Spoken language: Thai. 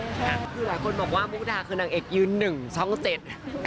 คือหลายคนบอกว่ามุกดาคือนางเอกยืนหนึ่งช่องเจ็ด